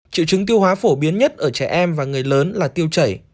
triệu chứng tiêu hóa phổ biến nhất ở trẻ em và người lớn là tiêu chảy